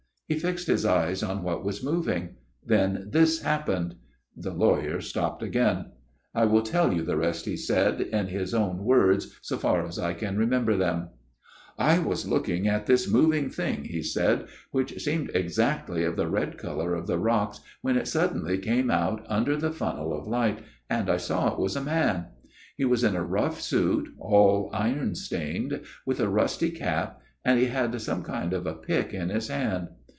He fixed his eyes on what was moving. Then this happened." The lawyer stopped again. " I will tell you the rest," he said, " in his own words, so far as I remember them. * I was looking at this moving thing,' he said, ' which seemed exactly of the red colour of the 278 A MIRROR OF SHALOTT rocks, when it suddenly came out under the funnel of light ; and I saw it was a man. He was in a rough suit, all iron stained; with a rusty cap; and he had some kind of a pick in his hand.